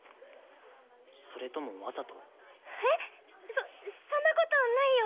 そそんなことないよ！